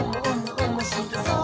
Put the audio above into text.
おもしろそう！」